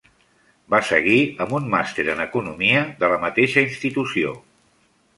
Va seguir amb un màster en economia de la mateixa institució.